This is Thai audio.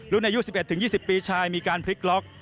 อายุ๑๑๒๐ปีชายมีการพลิกล็อก